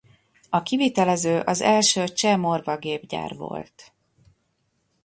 A kivitelező az Első Cseh- Morva Gépgyár volt.